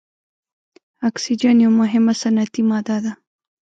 اکسیجن یوه مهمه صنعتي ماده ده.